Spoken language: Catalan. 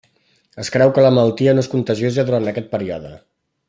Es creu que la malaltia no és contagiosa durant aquest període.